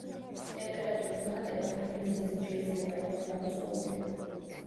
ტემპერატურის მატება ბევრი მიზეზით შეიძლება იყოს გამოწვეული.